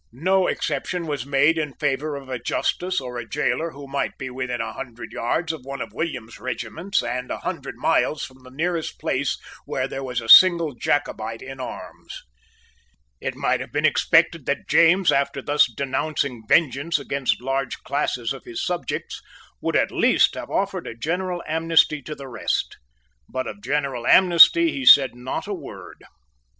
No exception was made in favour of a justice or of a gaoler who might be within a hundred yards of one of William's regiments, and a hundred miles from the nearest place where there was a single Jacobite in arms. It might have been expected that James, after thus denouncing vengeance against large classes of his subjects, would at least have offered a general amnesty to the rest. But of general amnesty he said not a word.